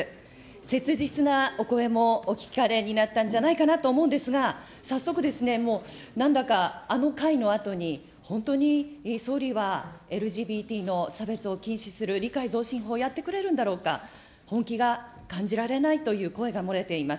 切実なお声もお聞かれになったんじゃないかなと思うんですが、早速ですね、なんだかあの会のあとに、本当に総理はＬＧＢＴの差別を禁止する、理解増進法やってくれるんだろうか、本気が感じられないという声が漏れています。